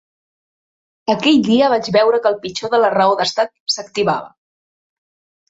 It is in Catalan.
Aquell dia vaig veure que el pitjor de la raó d’estat s’activava.